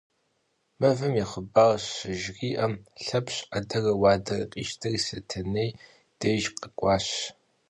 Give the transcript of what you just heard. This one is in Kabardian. Mıvem yi xhıbar şıjjri'em, Lhepş 'edere vuadere khişteri Setenêy dêjj khek'uaş.